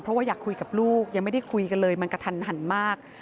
เพราะว่าอยากคุยกับลูกยังไม่ได้คุยกันเลยมันกระทันหันมาก